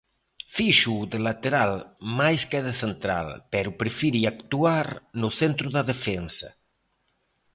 Fíxoo de lateral mais que de central, pero prefire actuar no centro da defensa.